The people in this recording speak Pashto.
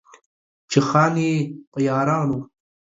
چې خان يې، په يارانو